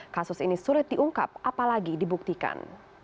kasus ini sulit diungkap apalagi dibuktikan